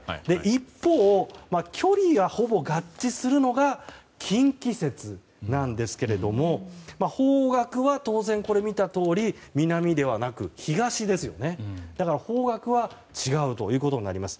一方、距離がほぼ合致するのが近畿説なんですけれども方角は当然、見たとおり南ではなく、東なので方角は違うということになります。